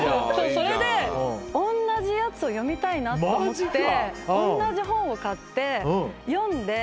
それでおんなじやつを読みたいなと思っておんなじ本を買って読んで。